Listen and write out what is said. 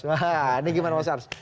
wah ini gimana mas ars